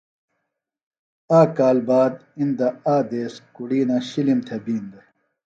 آک کال باد اِندہ آک دِیس کُڑِینہ شِلِم تھےۡ بِین دےۡ